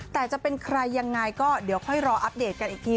แต่จะเป็นใครยังไงก็เดี๋ยวค่อยรออัปเดตกันอีกที